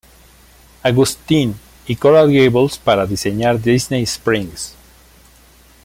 Augustine y Coral Gables, para diseñar Disney Springs.